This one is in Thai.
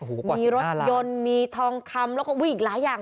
อู๋กว่า๑๕ล้านบาทมีรถยนต์มีทองคำแล้วก็อีกหลายอย่าง